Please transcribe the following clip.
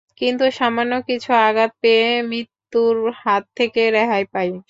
কিন্তু সামান্য কিছু আঘাত পেয়ে মৃত্যুর হাত থেকে রেহাই পাই।